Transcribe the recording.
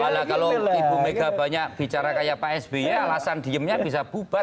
malah kalau ibu mega banyak bicara kayak pak sby alasan diemnya bisa bubar